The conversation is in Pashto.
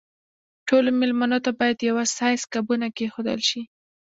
ټولو مېلمنو ته باید د یوه سایز قابونه کېښودل شي.